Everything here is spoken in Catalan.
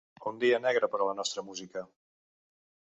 Un dia negre per a la nostra música.